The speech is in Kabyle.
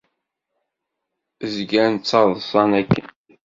Zgan ttaḍṣan akken.